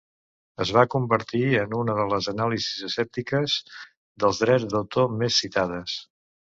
Es va convertir en una de les anàlisis escèptiques dels drets d'autor més citades.